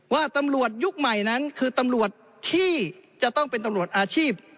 ว่าตำรวจยุคใหม่นั้นคือตำรวจที่จะต้องเป็นตำรวจอาชีพ